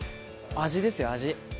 「味ですよ味」